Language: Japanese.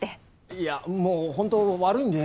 いやもうほんと悪いんで。